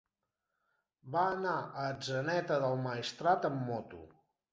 Va anar a Atzeneta del Maestrat amb moto.